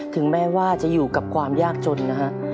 ถึงแม้ว่าจะอยู่กับความยากจนนะฮะ